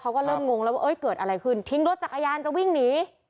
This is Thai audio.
เขาก็เริ่มงงแล้วว่าเกิดอะไรขึ้นทิ้งรถจักรยานจะวิ่งหนี